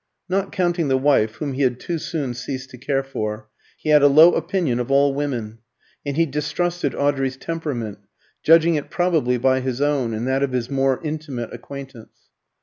Not counting the wife whom he had too soon ceased to care for, he had a low opinion of all women, and he distrusted Audrey's temperament, judging it probably by his own and that of his more intimate acquaintance.